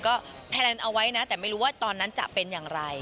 ก็แพลนเอาไว้นะแต่ไม่รู้ว่าตอนนั้นจะเป็นอย่างไร